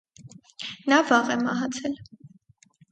Նա վաղ է մահացել։